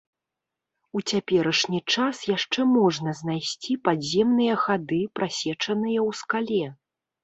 У цяперашні час яшчэ можна знайсці падземныя хады, прасечаныя ў скале.